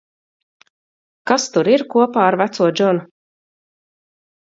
Kas tur ir kopā ar veco Džonu?